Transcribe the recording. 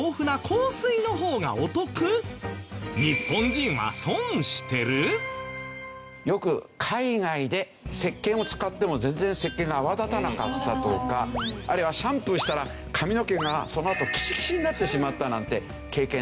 じゃあ健康維持に必要なよく海外でせっけんを使っても全然せっけんが泡立たなかったとかあるいはシャンプーしたら髪の毛がそのあとキシキシになってしまったなんて経験ないですか？